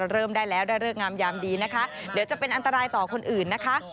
เริ่มได้แล้วได้เลิกงามยามดีนะคะเดี๋ยวจะเป็นอันตรายต่อคนอื่นนะคะ